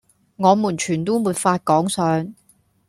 我們全都沒法趕上！